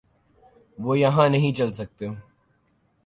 وہ یہاں نہیں چل سکتے۔